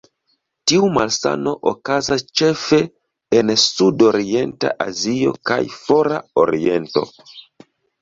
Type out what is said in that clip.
Tiu malsano okazas ĉefe en Sudorienta Azio kaj Fora Oriento.